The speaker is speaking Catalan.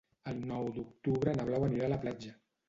El nou d'octubre na Blau anirà a la platja.